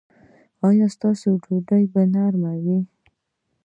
ایا ستاسو ډوډۍ به نرمه وي؟